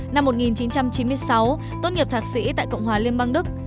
năm một nghìn chín trăm chín mươi sáu tốt nghiệp thạc sĩ tại cộng hòa liên bang đức